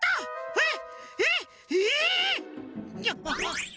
えっ！